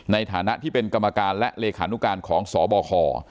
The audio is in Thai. ในฐานะที่เป็นกรรมการและเลขานุการของสบค